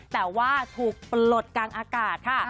แต่ว่าถูกปลดกลางอากาศค่ะ